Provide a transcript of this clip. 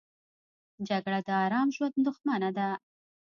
جګړه د آرام ژوند دښمنه ده